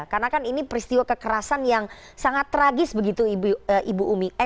karena kan ini peristiwa kekerasan yang sangat tragis begitu ibu umi